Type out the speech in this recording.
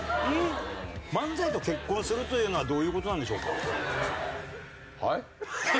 漫才と結婚するというのはどういう事なんでしょうか？